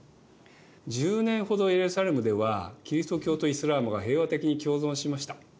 １０年ほどエルサレムではキリスト教とイスラームが平和的に共存しました。